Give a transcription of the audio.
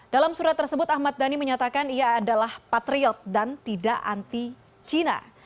dalam surat tersebut ahmad dhani menyatakan ia adalah patriot dan tidak anti cina